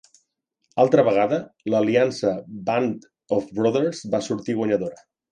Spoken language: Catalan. Altra vegada, l'aliança Band of Brothers va sortir guanyadora.